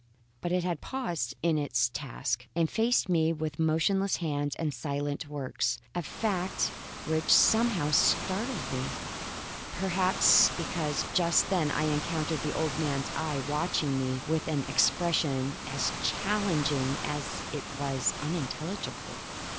But it had paused in its task, and faced me with motionless hands and silent works a fact which somehow startled me; perhaps, because just then I encountered the old man's eye watching me with an expression as challenging as it was unintelligible.